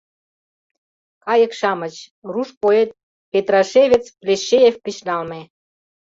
«Кайык-шамыч» — руш поэт-петрашевец Плещеев гыч налме.